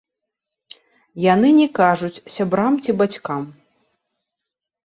Яны не кажуць сябрам ці бацькам.